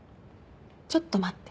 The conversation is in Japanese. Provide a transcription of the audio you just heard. ちょっと待って。